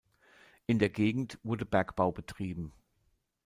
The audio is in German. In der Gegend wurde Bergbau betrieben.